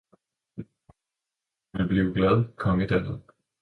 hvor hun vil blive glad, kongedatteren!